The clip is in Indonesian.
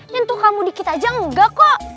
kita aja enggak kok